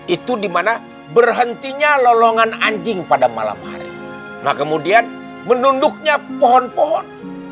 itu dimana berhentinya lolongan anjing pada malam hari nah kemudian menunduknya pohon pohon